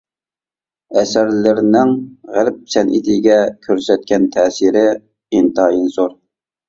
ئەسەرلىرىنىڭ غەرب سەنئىتىگە كۆرسەتكەن تەسىرى ئىنتايىن زور.